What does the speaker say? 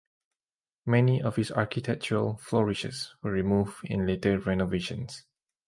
Many of his architectural flourishes were removed in later renovations.